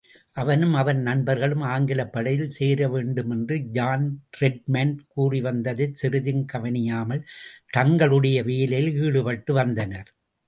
அவனும் அவன் நண்பர்களும், ஆங்கிலப்படையில் சேரவேண்டுமென்று ஜான் ரெட்மண்ட் கூறிவந்ததைச் சிறிதும் கவனியாமல், தங்களுடைய வேலையில் ஈடுபட்டு வந்தனர்.